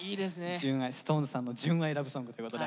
ＳｉｘＴＯＮＥＳさんの純愛ラブソングということで。